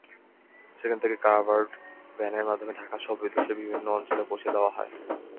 সেখান থেকে কাভার্ড ভ্যানের মাধ্যমে ঢাকাসহ দেশের বিভিন্ন অঞ্চলে পৌঁছে দেওয়া হয়।